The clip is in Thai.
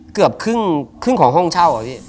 เกือบครึ่งของห้องเช่าอะพี่